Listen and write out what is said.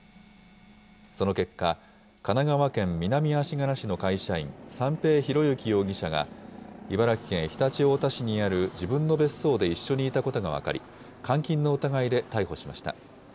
その結果、神奈川県南足柄市の会社員、三瓶博幸容疑者が、茨城県常陸太田市にある自分の別荘で一緒にいたことが分かり、監禁の疑いで逮捕しました。